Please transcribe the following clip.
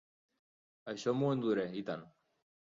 Això m'ho enduré, i tant.